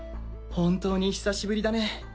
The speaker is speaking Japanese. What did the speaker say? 本当に久しぶりだね。